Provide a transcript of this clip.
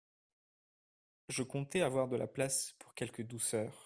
Je comptais avoir de la place pour quelques douceurs.